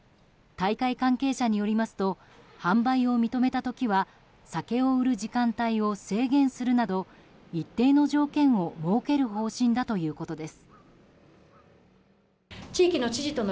大会関係者によりますと販売を認めた時は酒を売る時間帯を制限するなど一定の条件を設ける方針だということです。